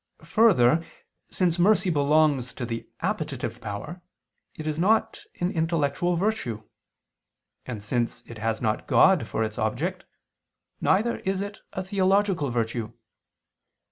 4: Further, since mercy belongs to the appetitive power, it is not an intellectual virtue, and, since it has not God for its object, neither is it a theological virtue.